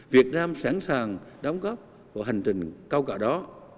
việt nam sẵn sàng đóng góp vào hành trình cao cả đó